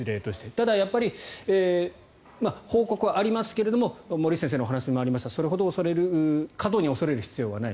ただ、やっぱり報告はありますけれども森内先生のお話にもありましたがそれほど過度に恐れる必要はない。